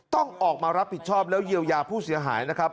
ต้องออกมารับผิดชอบแล้วเยียวยาผู้เสียหายนะครับ